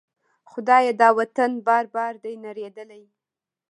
خدایه! دا وطن بار بار دی نړیدلی